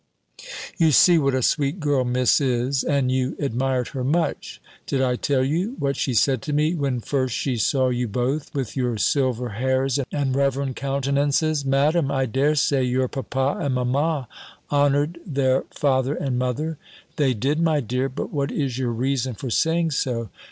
You see what a sweet girl Miss is, and you admired her much: did I tell you, what she said to me, when first she saw you both, with your silver hairs, and reverend countenances? "Madam, I dare say, your papa, and mamma, honoured their father and mother:" "They did, my dear; but what is your reason for saying so?"